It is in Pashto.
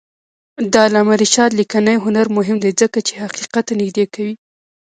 د علامه رشاد لیکنی هنر مهم دی ځکه چې حقیقت نږدې کوي.